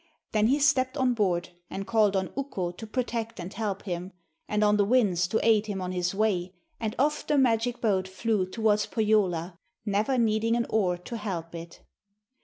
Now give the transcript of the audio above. Then he stepped on board, and called on Ukko to protect and help him, and on the winds to aid him on his way, and off the magic boat flew towards Pohjola, never needing an oar to help it.